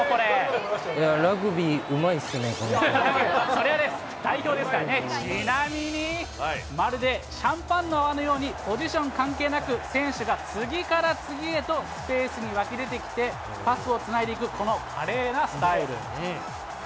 ラグビーうまいっすね、それは代表ですからね、ちなみに、まるでシャンパンの泡のようにポジション関係なく選手が次から次へとスペースに湧き出てきてパスをつないでいく、この華麗なスタイル。